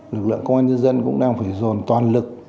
lực lượng công an nhân dân cũng đang phải dồn toàn lực